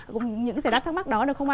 cũng những giải đáp thắc mắc đó được không ạ